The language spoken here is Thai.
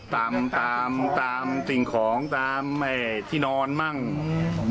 ตามตามสิ่งของตามไอ้ที่นอนมั่งอืม